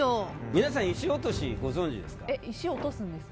皆さん、石落としご存じですか？